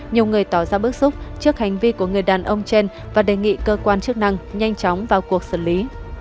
nhiều người tỏ ra bức xúc trước hành vi của người đàn ông trên và đề nghị cơ quan chức năng nhanh chóng vào cuộc xử lý